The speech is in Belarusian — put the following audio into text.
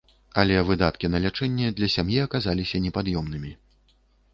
Але выдаткі на лячэнне для сям'і аказаліся непад'ёмнымі.